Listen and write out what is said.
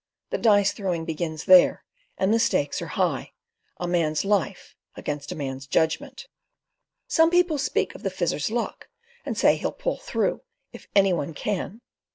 The dice throwing begins there, and the stakes are high—a man's life against a man's judgment. Some people speak of the Fizzer's luck, and say he'll pull through, if any one can.